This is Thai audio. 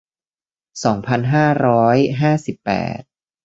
สองพันห้าร้อยห้าสิบแปด